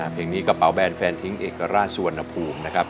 เพลงนี้กระเป๋าแบนแฟนทิ้งเอกราชสุวรรณภูมินะครับ